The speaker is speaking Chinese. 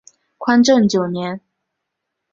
宽政九年。